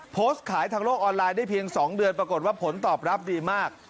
โพสต์ขายทางโลกออนไลน์ได้เพียง๒เดือนปรากฏว่าผลตอบรับดีมาก